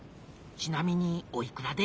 ちなみにおいくらで？